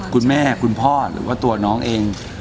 คุณพ่อหรือว่าตัวน้องเอง